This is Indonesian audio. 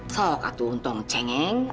sok atu untung cengeng